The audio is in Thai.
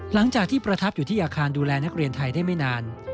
หลังจากที่ประทับอยู่ที่อาคารดูแลนักเรียนไทยได้ไม่นาน